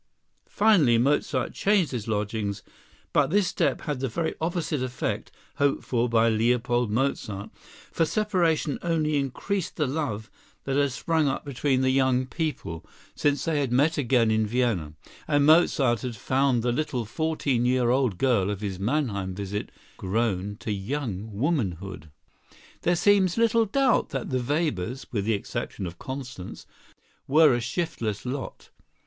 Finally Mozart changed his lodgings; but this step had the very opposite effect hoped for by Leopold Mozart, for separation only increased the love that had sprung up between the young people since they had met again in Vienna, and Mozart had found the little fourteen year old girl of his Mannheim visit grown to young womanhood. There seems little doubt that the Webers, with the exception of Constance, were a shiftless lot.